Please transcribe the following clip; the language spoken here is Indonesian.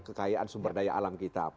kekayaan sumber daya alam kita